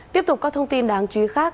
tiếp tục có thông tin đáng chú ý khác